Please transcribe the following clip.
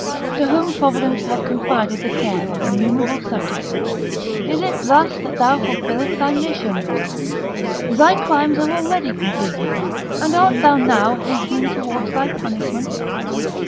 to whom Providence hath confided the care of innumerable subjects, is it thus that thou fulfillest thy mission? Thy crimes are already completed, and art thou now hastening towards thy punishment?